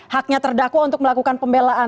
haknya terdakwa untuk melakukan pembelaan